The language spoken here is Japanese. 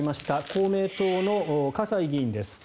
公明党の河西議員です。